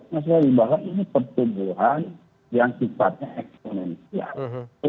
masyarakat di bawah ini pertumbuhan yang sifatnya eksponensial